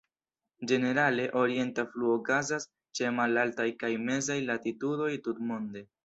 Ĝenerale, orienta fluo okazas ĉe malaltaj kaj mezaj latitudoj tutmonde.